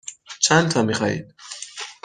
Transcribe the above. چندتا می خواهید؟